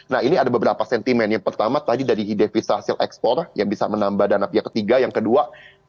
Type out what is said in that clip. nah ini ada beberapa sentimen yang pertama tadi dari ide visa hasil ekspor yang bisa menambah dana pihak ketiga yang kedua